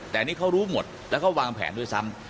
แต่อันนี้เขารู้หมดแล้วเขาวางแผนด้วยซ้ำ